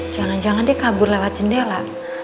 jangan jangan dia kabur lewat jendela